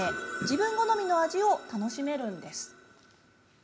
自分好みの味を楽しめるんです。